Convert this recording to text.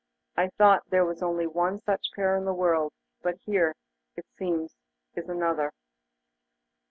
I thought there was only one such pair in the world; but here, it seems, is another.